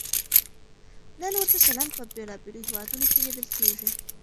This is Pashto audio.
نن ورته چلند په بېلابېلو هېوادونو کې لیدل کېږي.